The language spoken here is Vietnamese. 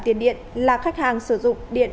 tiền điện là khách hàng sử dụng điện